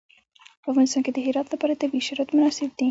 په افغانستان کې د هرات لپاره طبیعي شرایط مناسب دي.